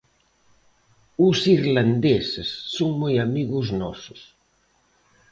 Os irlandeses son moi amigos nosos.